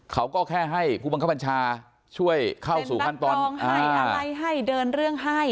เขาก็แค่ให้ผู้บังคับบัญชาช่วยเข้าสู่ขั้นตอนให้อะไรให้เดินเรื่องให้